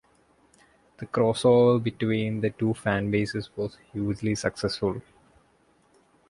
The crossover between the two fan bases was hugely successful.